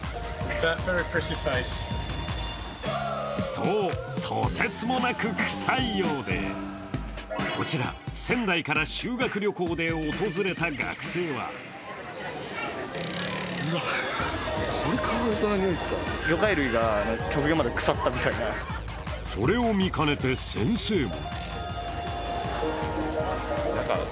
そう、とてつもなく臭いようでこちら、仙台から修学旅行で訪れた学生はそれを見かねて先生も。